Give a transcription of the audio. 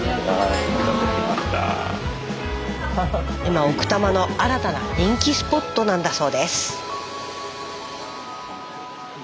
今奥多摩の新たな人気スポットなんだそうです。